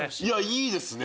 いいですね！